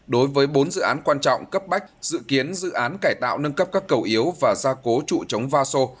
đối với bốn dự án quan trọng cấp bách dự kiến dự án cải tạo nâng cấp các cầu yếu và gia cố trụ chống va sô